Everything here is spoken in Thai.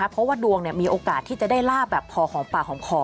เพราะว่าดวงมีโอกาสที่จะได้ลาบแบบพอหอมปากหอมคอ